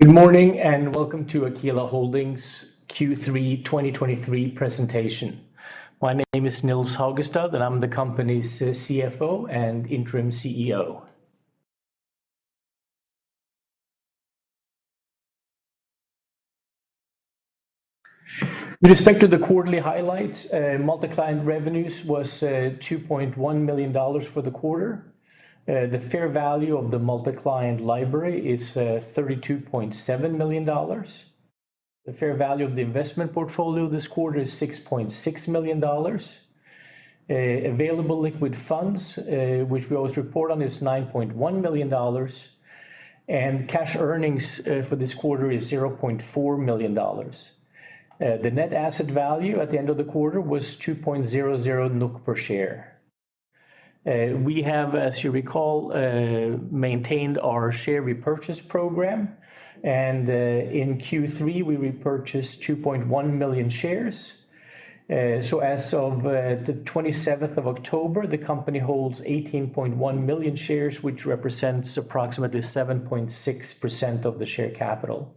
Good morning, and welcome to Aquila Holdings Q3 2023 presentation. My name is Nils Haugestad, and I'm the company's CFO and Interim CEO. With respect to the quarterly highlights, multi-client revenues was $2.1 million for the quarter. The fair value of the multi-client library is $32.7 million. The fair value of the investment portfolio this quarter is $6.6 million. Available liquid funds, which we always report on, is $9.1 million, and cash earnings for this quarter is $0.4 million. The net asset value at the end of the quarter was 2.00 NOK per share. We have, as you recall, maintained our share repurchase program, and in Q3, we repurchased 2.1 million shares. So as of the 27th of October, the company holds 18.1 million shares, which represents approximately 7.6% of the share capital.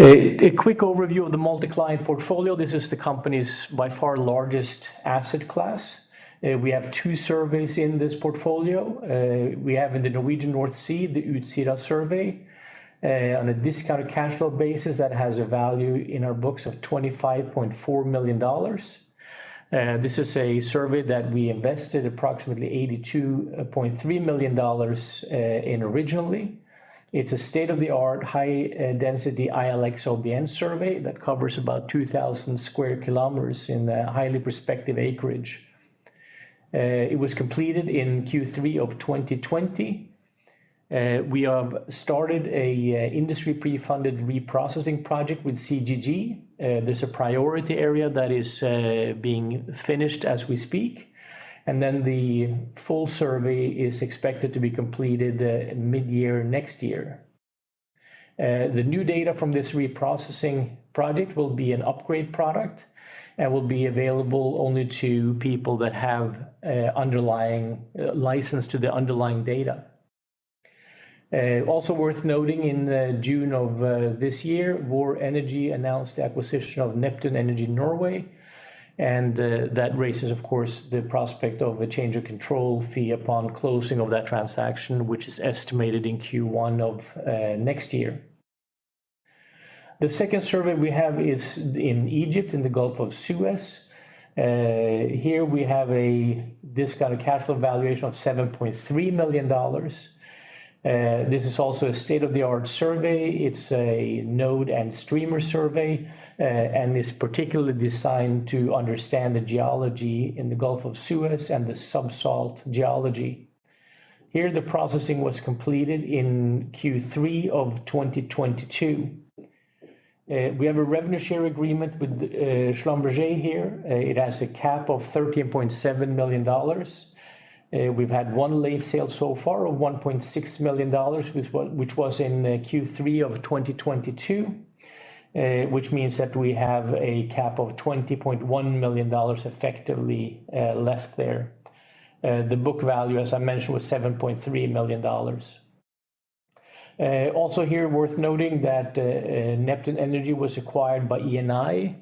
A quick overview of the multi-client portfolio. This is the company's, by far, largest asset class. We have two surveys in this portfolio. We have in the Norwegian North Sea, the Utsira survey. On a discounted cash flow basis, that has a value in our books of $25.4 million. This is a survey that we invested approximately $82.3 million in originally. It's a state-of-the-art, high density ILX/OBN survey that covers about 2,000 sq km in a highly prospective acreage. It was completed in Q3 of 2020. We have started a industry pre-funded reprocessing project with CGG. This is a priority area that is being finished as we speak, and then the full survey is expected to be completed mid-year next year. The new data from this reprocessing project will be an upgrade product and will be available only to people that have underlying license to the underlying data. Also worth noting, in June of this year, Vår Energi announced the acquisition of Neptune Energy Norge, and that raises, of course, the prospect of a change of control fee upon closing of that transaction, which is estimated in Q1 of next year. The second survey we have is in Egypt, in the Gulf of Suez. Here we have a discounted cash flow valuation of $7.3 million. This is also a state-of-the-art survey. It's a node and streamer survey, and is particularly designed to understand the geology in the Gulf of Suez and the subsalt geology. Here, the processing was completed in Q3 of 2022. We have a revenue share agreement with Schlumberger here. It has a cap of $13.7 million. We've had one late sale so far of $1.6 million, which was in Q3 of 2022, which means that we have a cap of $20.1 million effectively left there. The book value, as I mentioned, was $7.3 million. Also here, worth noting that Neptune Energy was acquired by Eni.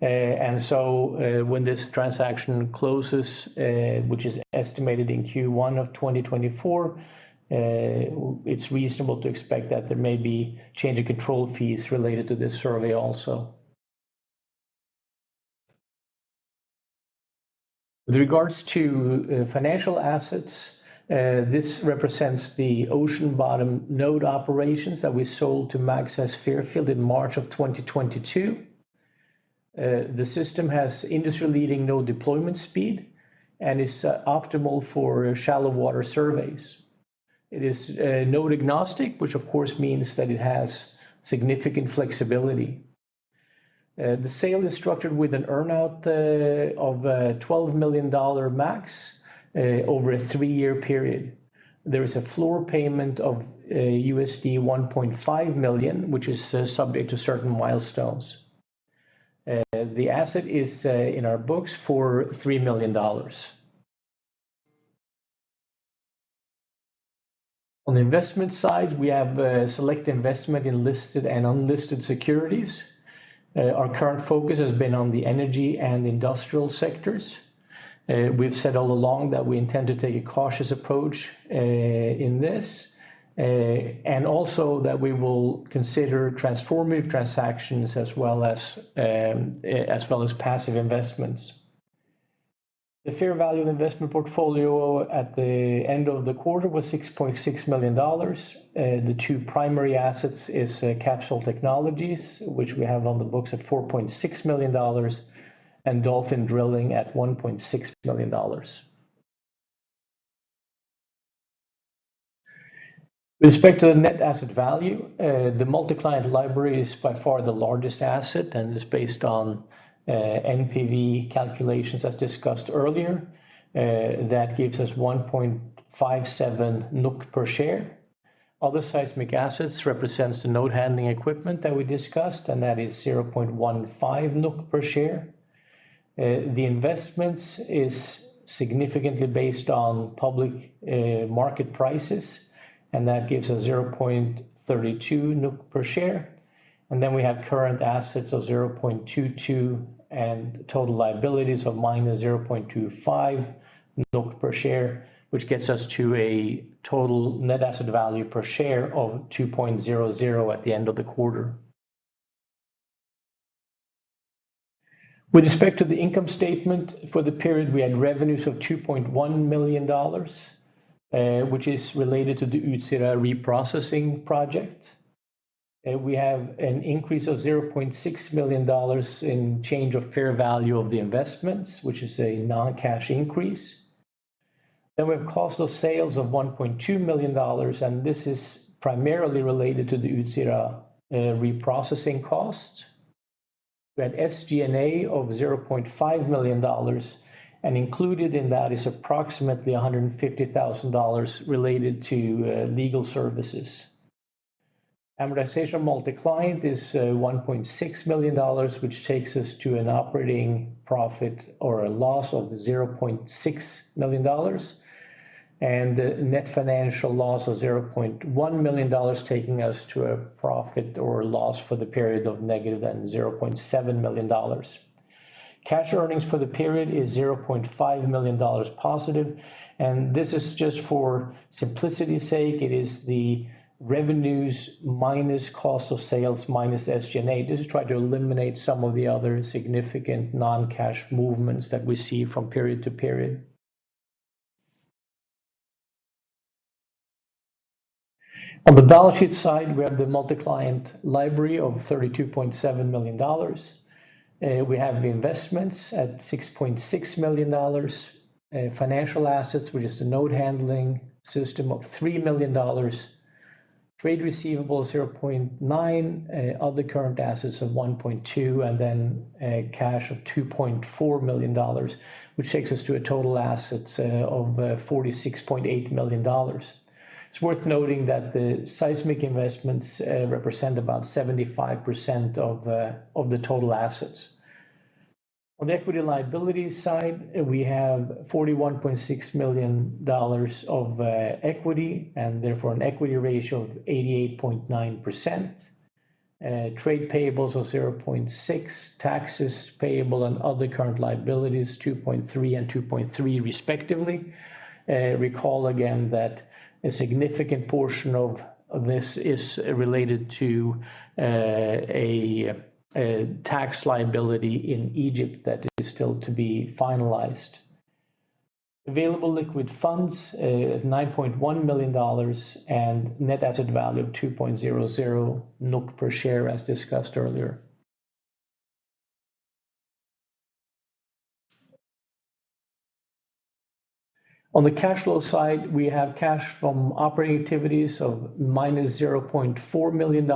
And so, when this transaction closes, which is estimated in Q1 of 2024, it's reasonable to expect that there may be change in control fees related to this survey also. With regards to financial assets, this represents the ocean bottom node operations that we sold to Magseis Fairfield in March of 2022. The system has industry-leading node deployment speed and is optimal for shallow-water surveys. It is node-agnostic, which of course means that it has significant flexibility. The sale is structured with an earn-out of $12 million max over a three-year period. There is a floor payment of $1.5 million, which is subject to certain milestones. The asset is in our books for $3 million. On the investment side, we have a select investment in listed and unlisted securities. Our current focus has been on the energy and industrial sectors. We've said all along that we intend to take a cautious approach in this, and also that we will consider transformative transactions as well as passive investments. The fair value of investment portfolio at the end of the quarter was $6.6 million. The two primary assets is Capsol Technologies, which we have on the books at $4.6 million, and Dolphin Drilling at $1.6 million. With respect to the net asset value, the multi-client library is by far the largest asset and is based on NPV calculations, as discussed earlier. That gives us 1.57 NOK per share. Other seismic assets represents the node handling equipment that we discussed, and that is 0.15 NOK per share. The investments is significantly based on public, market prices, and that gives us 0.32 NOK per share. Then we have current assets of 0.22 and total liabilities of -0.25 NOK per share, which gets us to a total net asset value per share of 2.00 at the end of the quarter. With respect to the income statement for the period, we had revenues of $2.1 million, which is related to the Utsira reprocessing project. We have an increase of $0.6 million in change of fair value of the investments, which is a non-cash increase. Then we have cost of sales of $1.2 million, and this is primarily related to the Utsira reprocessing costs. We had SG&A of $0.5 million, and included in that is approximately $150,000 related to legal services. Amortization multi-client is $1.6 million, which takes us to an operating profit or a loss of $0.6 million. And net financial loss of $0.1 million, taking us to a profit or loss for the period of negative and $0.7 million. Cash earnings for the period is $0.5 million positive, and this is just for simplicity's sake. It is the revenues minus cost of sales, minus SG&A. This is try to eliminate some of the other significant non-cash movements that we see from period-to-period. On the balance sheet side, we have the multi-client library of $32.7 million. We have the investments at $6.6 million. Financial assets, which is the node handling system of $3 million. Trade receivables, $0.9 million. Other current assets of $1.2 million, and then, cash of $2.4 million, which takes us to total assets of $46.8 million. It's worth noting that the seismic investments represent about 75% of the total assets. On the equity liability side, we have $41.6 million of equity, and therefore an equity ratio of 88.9%. Trade payables of $0.6 million. Taxes payable and other current liabilities, $2.3 million and $2.3 million respectively. Recall again that a significant portion of this is related to a tax liability in Egypt that is still to be finalized. Available liquid funds at $9.1 million and net asset value of 2.00 NOK per share, as discussed earlier. On the cash flow side, we have cash from operating activities, so -$0.4 million.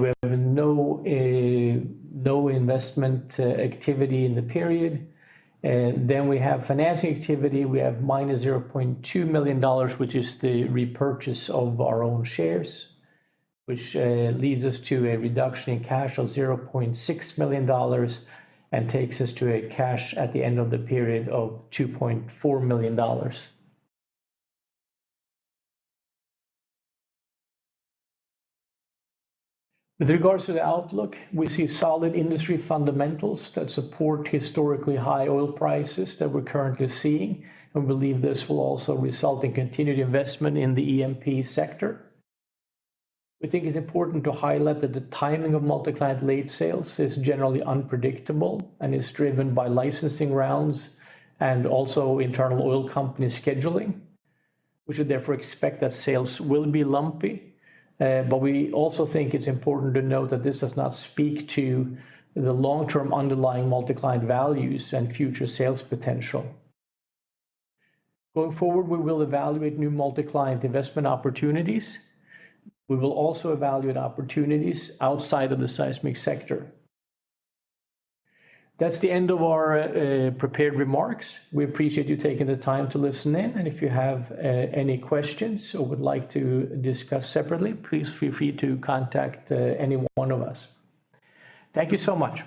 We have no investment activity in the period. Then we have financing activity. We have -$0.2 million, which is the repurchase of our own shares, which leads us to a reduction in cash of $0.6 million and takes us to a cash at the end of the period of $2.4 million. With regards to the outlook, we see solid industry fundamentals that support historically-high oil prices that we're currently seeing and believe this will also result in continued investment in the E&P sector. We think it's important to highlight that the timing of multi-client lead sales is generally unpredictable and is driven by licensing rounds and also internal oil company scheduling. We should therefore expect that sales will be lumpy, but we also think it's important to note that this does not speak to the long-term underlying multi-client values and future sales potential. Going forward, we will evaluate new multi-client investment opportunities. We will also evaluate opportunities outside of the seismic sector. That's the end of our prepared remarks. We appreciate you taking the time to listen in, and if you have any questions or would like to discuss separately, please feel free to contact any one of us. Thank you so much!